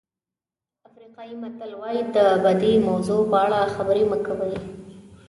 افریقایي متل وایي د بدې موضوع په اړه خبرې مه کوئ.